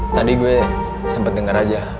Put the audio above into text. tadi gue sempet denger aja